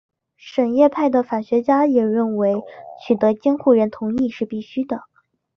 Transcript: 什叶派的法学家也认为取得监护人同意是必须的。